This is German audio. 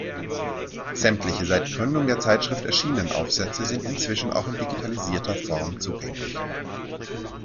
Sämtliche seit Gründung der Zeitschrift erschienenen Aufsätze sind inzwischen auch in digitalisierter Form zugänglich.